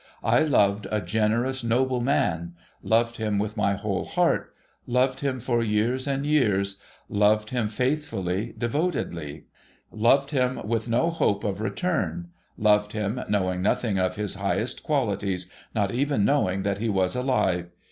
I loved a generous, noble man ; loved him with my whole heart ; loved him for years and years ; loved him faithfully, devotedly ; loved him with no hope of re turn ; loved him, knowing nothing of his highest qualities — not even knowing that he was alive.